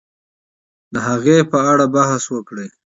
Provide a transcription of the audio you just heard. د هغې په اړه بحث وکړي